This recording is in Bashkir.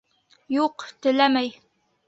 Юҡ, теләмәй.